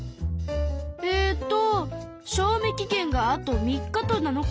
えと賞味期限があと３日と７日。